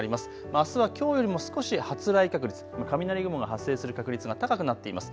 あすはきょうよりも少し発雷確率、雷雲が発生する確率が高くなっています。